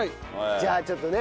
じゃあちょっとね